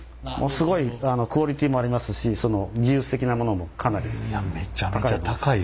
すごいクオリティーもありますしその技術的なものもかなり高い。